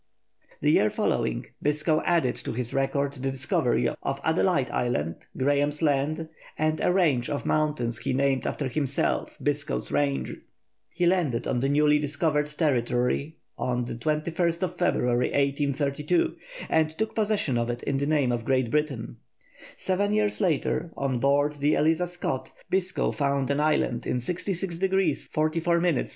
The year following Biscoe added to his record the discovery of Adelaide Island, Graham's Land, and a range of mountains he named after himself, Biscoe's Range. He landed on the newly discovered territory on February 21, 1832, and took possession of it in the name of Great Britain. Seven years later, on board the Eliza Scott, Biscoe found an island in 66° 44' S.